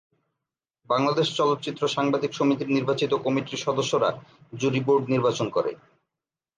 বাংলাদেশ চলচ্চিত্র সাংবাদিক সমিতির নির্বাচিত কমিটির সদস্যরা জুরি বোর্ড নির্বাচন করে।